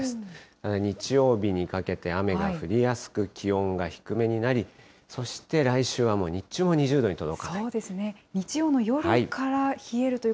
ただ日曜日にかけて雨が降りやすく、気温が低めになり、そして来週はもう日中も２０度に届かない。